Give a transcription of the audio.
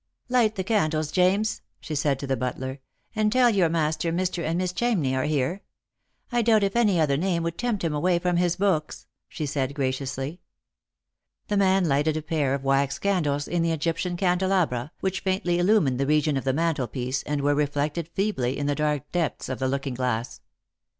" Light the candles, James," she said to the butler, " and tell your master Mr. and Miss Chamney are here. I doubt if any other name would tempt him away from his books," she said graciously. The man lighted a pair of wax candles in the Egyptian can delabra, which faintly illumined the region of the mantelpiece, and were reflected feebly in the dark depths of the looking glass.